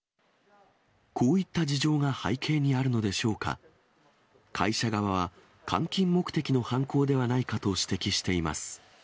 こういった事情が背景にあるのでしょうか、会社側は換金目的の犯行ではないかと指摘しています。